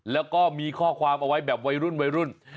แล้วก็มีข้อความเอาไว้แบบวัยรุ่นวัยรุ่น